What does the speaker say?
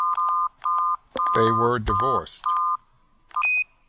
They were divorced.